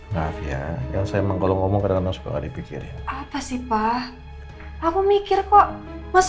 ya hai mbak ya saya mengomong omong karena suka dipikirin apa sih pak aku mikir kok masa